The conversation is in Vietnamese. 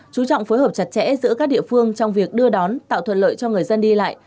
chú trọng phối hợp chặt chẽ giữa các địa phương trong việc đưa đón tạo thuận lợi cho người dân đi lại